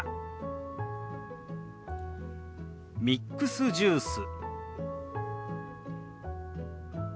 「ミックスジュース」。